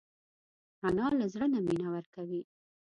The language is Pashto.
انا له زړه نه مینه ورکوي